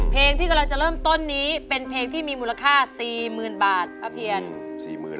เพลงที่กำลังจะเริ่มต้นนี้เป็นเพลงที่มีมูลค่า๔๐๐๐บาทป้าเพียน